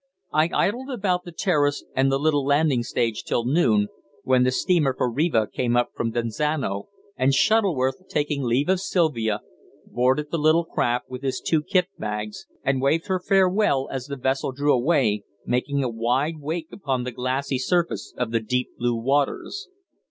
I idled about the terrace and the little landing stage till noon, when the steamer for Riva came up from Desenzano; and Shuttleworth, taking leave of Sylvia, boarded the little craft with his two kit bags, and waved her farewell as the vessel drew away, making a wide wake upon the glassy surface of the deep blue waters.